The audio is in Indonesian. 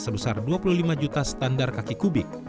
sebesar dua puluh lima juta standar kaki kubik